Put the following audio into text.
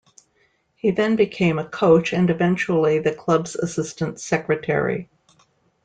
He then became a coach and eventually the club's assistant secretary.